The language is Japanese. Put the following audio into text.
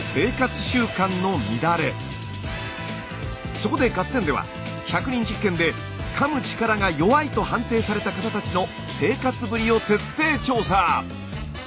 そこで「ガッテン！」では１００人実験でかむ力が弱いと判定された方たちの生活ぶりを徹底調査！